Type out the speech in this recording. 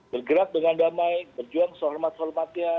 tergerak dengan damai berjuang sehormat sehormatnya